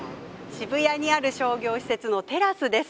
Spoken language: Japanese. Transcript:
渋谷にある商業施設のテラスです。